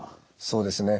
そうですね。